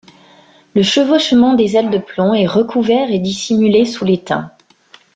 Le chevauchement des ailes des plombs est recouvert et dissimulé sous l'étain.